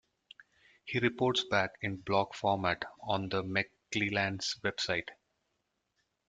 He reports back in blog format on the McClelland's website.